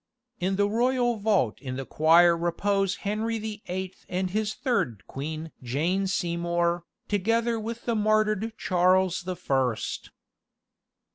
In the royal vault in the choir repose Henry the Eighth and his third queen Jane Seymour, together with the martyred Charles the First.